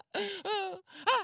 あっ！